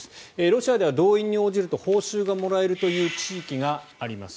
ロシアでは動員に応じると報酬がもらえるという地域があります。